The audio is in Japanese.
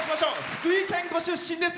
福井県ご出身です。